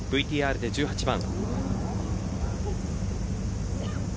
ＶＴＲで１８番。